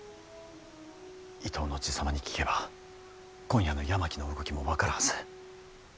伊東の爺様に聞けば今夜の山木の動きも分かるはず。